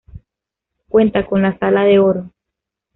Cuenta con la sala de oro.